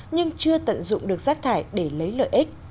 nhưng chưa tận dụng được rác thải để lấy lợi ích